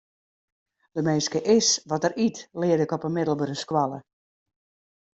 De minske is wat er yt, learde ik op 'e middelbere skoalle.